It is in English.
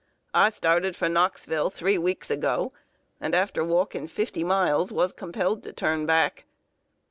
I started for Knoxville three weeks ago, and, after walking fifty miles, was compelled to turn back.